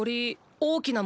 大きな物？